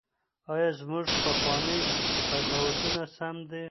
ایا زموږ پخواني قضاوتونه سم دي؟